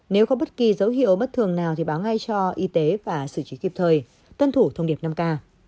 nếu có bất kỳ dấu hiệu bất thường nào thì báo ngay cho y tế và sử trí kiếp thời tân thủ thông điệp năm k